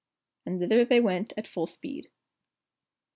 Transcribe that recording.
And thither they went at full speed.